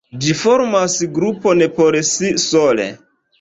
Ĝi formas grupon por si sole.